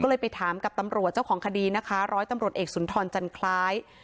ก็เลยไปถามกับตำรวจเจ้าของคดีนะคะร้อยตำรวจเอกสุนทรจันทราย